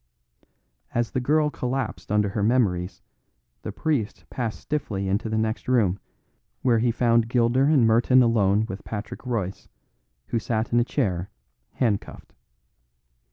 As the girl collapsed under her memories, the priest passed stiffly into the next room, where he found Gilder and Merton alone with Patrick Royce, who sat in a chair, handcuffed.